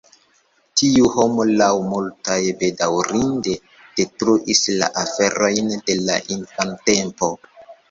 Tiu homo laŭ multaj bedaŭrinde detruis la aferojn de la infantempo.